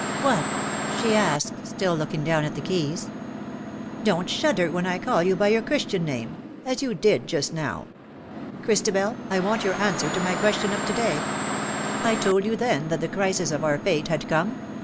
'' "What?" she asked, still looking down at the keys. 247 '^ Don't shudder wlien 1 call you by your Chris tian name — as you did just now. Christabel, I want your answer to my question of to day. I told you then that the crisis of our fate had come.